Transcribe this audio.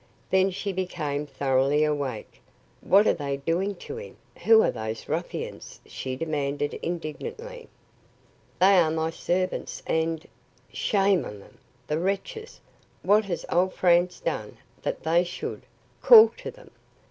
Then she became thoroughly awake. "What are they doing to him? Who are those ruffians?" she demanded indignantly. "They are my servants, and " "Shame on them! The wretches! What has old Franz done that they should Call to them!